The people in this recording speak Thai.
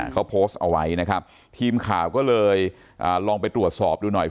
เขาโพสต์เอาไว้นะครับทีมข่าวก็เลยลองไปตรวจสอบดูหน่อย